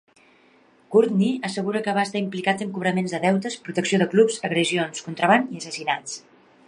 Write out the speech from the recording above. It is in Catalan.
Courtney assegura que va estar implicat en cobraments de deutes, protecció de clubs, agressions, contraban i assassinats.